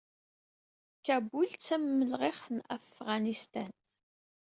Kabul d tamelɣiɣt n Afɣanistan.